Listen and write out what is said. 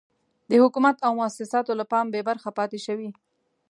د حکومت او موسساتو له پام بې برخې پاتې شوي.